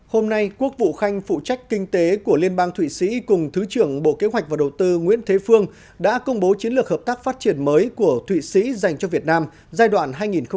hôm nay quốc vụ khanh phụ trách kinh tế của liên bang thụy sĩ cùng thứ trưởng bộ kế hoạch và đầu tư nguyễn thế phương đã công bố chiến lược hợp tác phát triển mới của thụy sĩ dành cho việt nam giai đoạn hai nghìn một mươi sáu hai nghìn hai mươi